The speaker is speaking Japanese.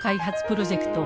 プロジェクト